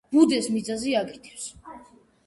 ბუდეს მიწაზე აკეთებს.